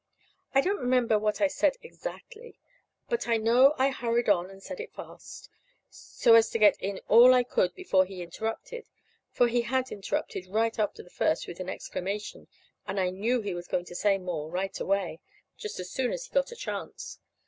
I don't remember what I said exactly. But I know I hurried on and said it fast, so as to get in all I could before he interrupted; for he had interrupted right at the first with an exclamation; and I knew he was going to say more right away, just as soon as he got a chance.